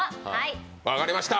分かりました。